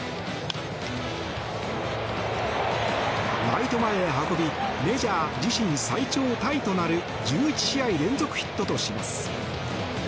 ライト前へ運びメジャー自身最長タイとなる１１試合連続ヒットとします。